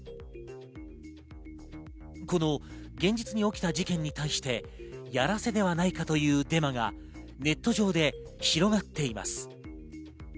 この現実に起きた事件に対してやらせではないかというデマがネット上で広がっています。